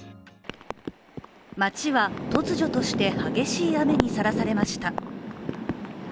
街は突如として激しい雨にさらされました。